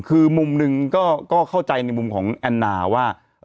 คือมุมหนึ่งก็เข้าใจในมุมของแอนนาว่า